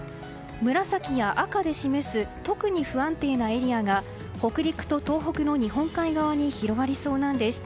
紫や赤で示す特に不安定なエリアが北陸と東北の日本海側に広がりそうなんです。